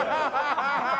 ハハハハ！